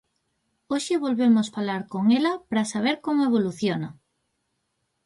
Hoxe volvemos falar con ela para saber como evoluciona.